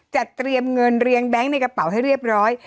จะเตรียมเงินเรียงแบงค์ในกระเป๋าให้เรียบร้อย